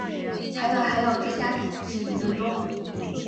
还要还要追加十几分钟